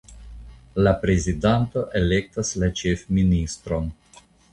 La prezidanto elektas la ĉefministron.